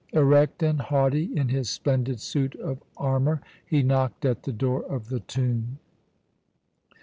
"Erect and haughty in his splendid suit of armour, he knocked at the door of the tomb.